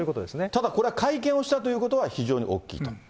ただこれは会見をしたということは、非常に大きいと。